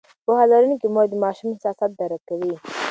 پوهه لرونکې مور د ماشوم احساسات درک کوي.